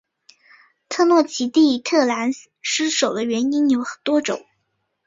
特诺奇蒂特兰失守的原因有多种。